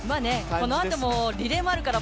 このあともリレーもあるから